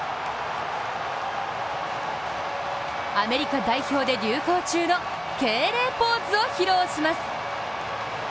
アメリカ代表で流行中の敬礼ポーズを披露します。